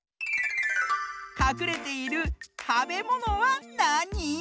かくれているたべものはなに？